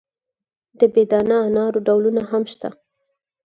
د بې دانه انارو ډولونه هم شته.